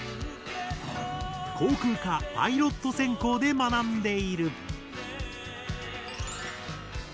航空科パイロット専攻で学んでいる。